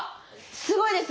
すごいです！